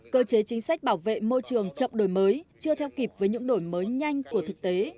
cơ chế chính sách bảo vệ môi trường chậm đổi mới chưa theo kịp với những đổi mới nhanh của thực tế